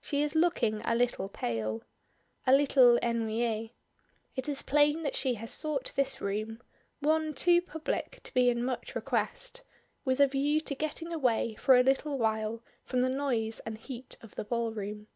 She is looking a little pale. A little ennuyée; it is plain that she has sought this room one too public to be in much request with a view to getting away for a little while from the noise and heat of the ballroom.